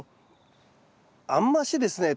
あんましですね